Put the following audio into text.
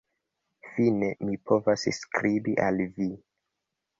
Fine mi povas skribi al vi.